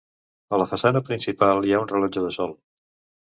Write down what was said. A la façana principal hi ha un rellotge de sol.